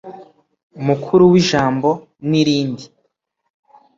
mukuru w'ijambo ni irindi